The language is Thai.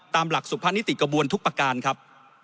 ตามหลักสุภานิติกระบวนทุกประการครับ